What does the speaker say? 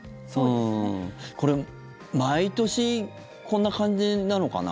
これ、毎年こんな感じなのかな？